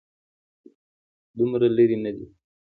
دومره لرې نه دی.